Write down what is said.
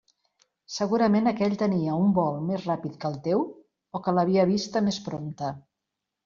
Segurament aquell tenia un vol més ràpid que el teu o que l'havia vista més prompte.